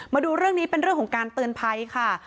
มาดูเรื่องนี้เป็นเรื่องของการเตือนภัยค่ะ